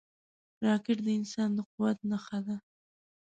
راکټ د انسان د قوت نښه ده